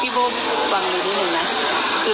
แต่หนูจะเอากับน้องเขามาแต่ว่า